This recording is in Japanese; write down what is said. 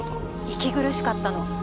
息苦しかったの。